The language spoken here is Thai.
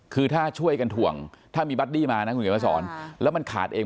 คือถ้าช่วยกันถ่วงถ้ามีบัดดี้มานะคุณเขียนมาสอนแล้วมันขาดเอง